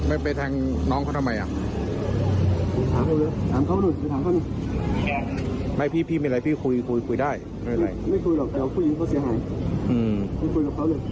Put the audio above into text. อืมเห็นว่าเขาคู่แอบคุยกับผู้ชายหรอ